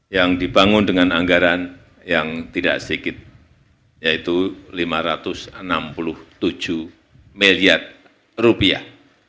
yang dibangun dengan anggaran yang tidak sedikit yaitu lima ratus enam puluh tujuh miliar rupiah